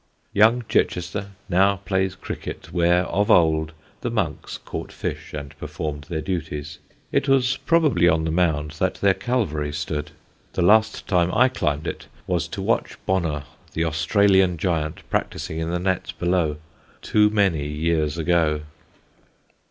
Young Chichester now plays cricket where of old the monks caught fish and performed their duties. It was probably on the mound that their Calvary stood; the last time I climbed it was to watch Bonnor, the Australian giant, practising in the nets below, too many years ago.